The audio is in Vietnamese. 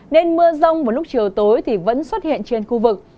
nên mưa rông vào lúc chiều tối vẫn xuất hiện trên khu vực